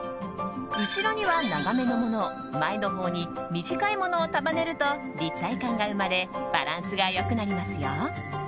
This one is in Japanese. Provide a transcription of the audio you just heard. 後ろには長めのものを前のほうに短いものを束ねると立体感が生まれバランスが良くなりますよ。